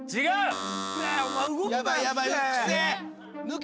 違う。